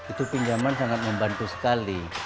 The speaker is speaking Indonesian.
itu pinjaman sangat membantu sekali